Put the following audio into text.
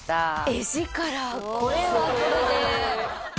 画力これはこれで。